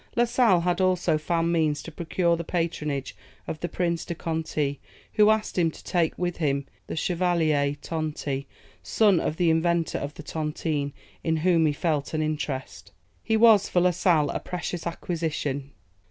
La Sale had also found means to procure the patronage of the Prince de Conti, who asked him to take with him the Chevalier Tonti, son of the inventor of the Tontine, in whom he felt an interest. He was for La Sale a precious acquisition.